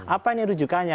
apa ini rujukannya